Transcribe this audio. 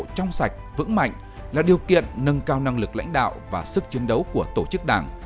trong sạch vững mạnh là điều kiện nâng cao năng lực lãnh đạo và sức chiến đấu của tổ chức đảng